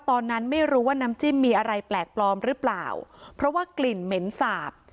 ตอนนั้นไม่รู้ว่าน้ำจิ้มมีอะไรแปลกปลอมหรือเปล่าเพราะว่ากลิ่นเหม็นสาบ